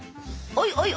おいおい